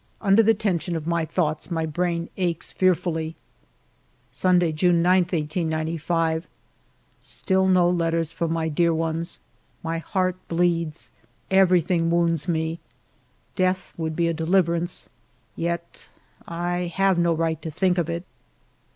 Under the tension of my thoughts my brain aches fearfully. Sunday^ June 9, 1895. Still no letters from my dear ones. My heart bleeds. Everything wounds me ; death would be a deliverance, yet 1 have no right to think of it.